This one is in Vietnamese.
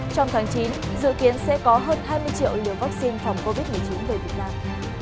trong tháng chín dự kiến sẽ có hơn hai mươi triệu liều vaccine phòng covid một mươi chín về việt nam